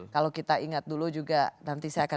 kalau kita ingat dulu juga